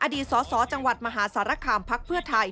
อดีตสสจังหวัดมหาสารคามพักเพื่อไทย